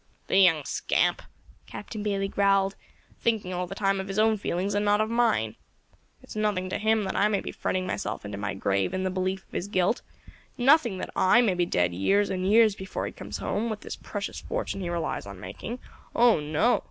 "The young scamp," Captain Bayley growled, "thinking all the time of his own feelings and not of mine. It's nothing to him that I may be fretting myself into my grave in the belief of his guilt; nothing that I may be dead years and years before he comes home with this precious fortune he relies on making. Oh no!